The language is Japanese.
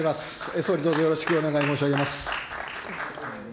総理、どうぞよろしくお願い申し上げます。